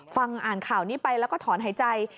ฟังอ่านข่าวนี้ไปแล้วก็ถอนหายใจ